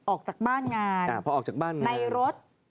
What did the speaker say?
ออกจากบ้านงานในรถ